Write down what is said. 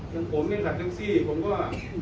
ยังผมเนี้ยขับเก้าซี่ผมก็